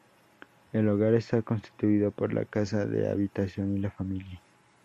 El hogar está constituido por la casa de habitación y la familia.